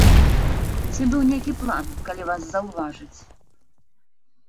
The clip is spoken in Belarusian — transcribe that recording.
Ці быў нейкі план, калі вас заўважаць?